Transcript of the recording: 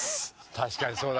確かにそうだ。